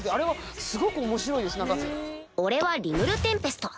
俺はリムルテンペスト。